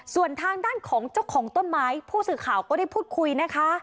ส่วนทางด้านของเจ้าของต้นไม้ผู้สื่อข่าวก็ได้พูดคุยนะคะ